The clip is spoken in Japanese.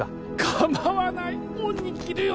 かまわない恩に着るよ